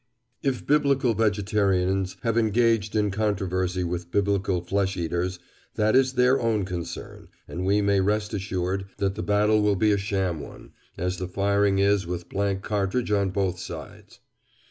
If biblical vegetarians have engaged in controversy with biblical flesh eaters, that is their own concern; and we may rest assured that the battle will be a sham one, as the firing is with blank cartridge on both sides.